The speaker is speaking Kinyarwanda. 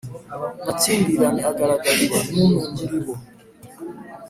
Amakimbirane Agaragazwa Numwe muribo